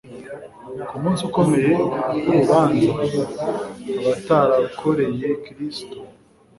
Ku munsi ukomeye w'urubanza abatarakoreye Kristo,